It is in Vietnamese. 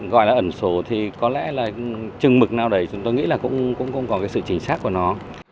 gọi là ẩn số thì có lẽ là chừng mực nào đấy chúng tôi nghĩ là cũng không có sự chính xác của nó